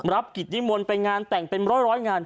รับกิจนิมนต์ไปงานแต่งเป็นร้อยงาน